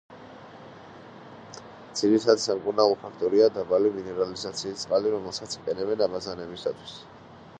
ძირითადი სამკურნალო ფაქტორია დაბალი მინერალიზაციის წყალი, რომელსაც იყენებენ აბაზანებისათვის.